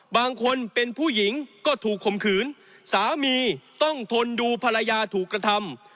บางคนเป็นผู้หญิงก็ถูกข่มขืนสามีต้องทนดูภรรยาถูกกระทำ